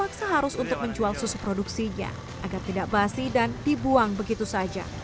terpaksa harus untuk menjual susu produksinya agar tidak basi dan dibuang begitu saja